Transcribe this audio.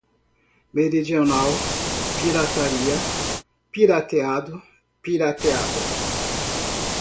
meridional, pirataria, pirateado, pirateada